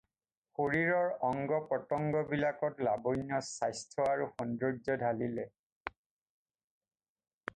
শৰীৰৰ অংগ-প্ৰত্যংগবিলাকত লাবণ্য, স্বাস্থ্য আৰু সৌন্দৰ্য্য ঢালিলে।